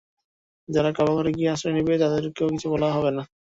যারা কাবা ঘরে গিয়ে আশ্রয় নিবে তাদেরকেও কিছু বলা হবে না।